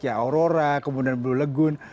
ya aurora kemudian blue legun